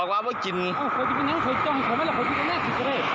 เจ้าอย่างในเงินมันว่ะเจ้าอย่างในเงินมันว่ะ